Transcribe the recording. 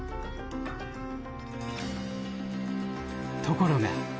ところが。